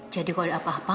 jadi kalau ada apa apa